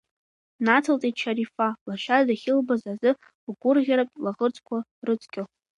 Нацылҵеит Шьарифа, лашьа дахьылбаз азы лгәырӷьаратә лаӷырӡқәа рыцқьо.